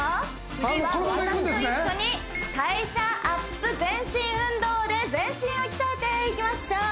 次は私と一緒に代謝ＵＰ全身運動で全身を鍛えていきましょう